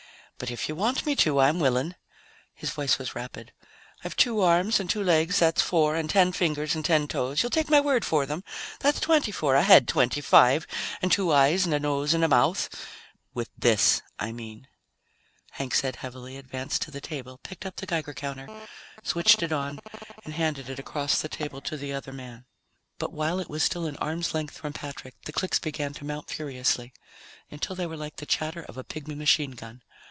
But if you want me to, I'm willing." His voice was rapid. "I've two arms, and two legs, that's four. And ten fingers and ten toes you'll take my word for them? that's twenty four. A head, twenty five. And two eyes and a nose and a mouth " "With this, I mean," Hank said heavily, advanced to the table, picked up the Geiger counter, switched it on, and handed it across the table to the other man. But while it was still an arm's length from Patrick, the clicks began to mount furiously, until they were like the chatter of a pigmy machine gun.